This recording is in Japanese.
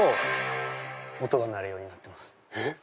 音が鳴るようになってます。